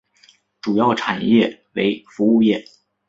主要产业为服务业。